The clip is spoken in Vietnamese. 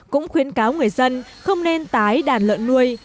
cũng khuyến cáo người dân không nên tái đàn lợn nuôi